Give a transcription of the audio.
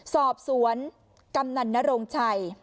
สอบสวนกำนันนโรงชัย